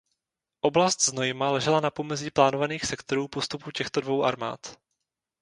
Oblast Znojma ležela na pomezí plánovaných sektorů postupu těchto dvou armád.